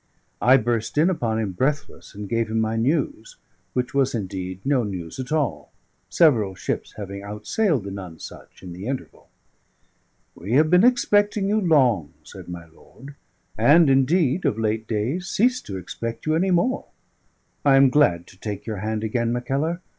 I burst in upon him breathless, and gave him my news: which was indeed no news at all, several ships having outsailed the Nonesuch in the interval. "We have been expecting you long," said my lord; "and indeed, of late days, ceased to expect you any more. I am glad to take your hand again, Mackellar.